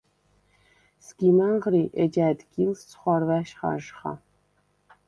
სგიმ ანღრი, ეჯ ა̈დგილს ცხვარვა̈შ ხაჟხა.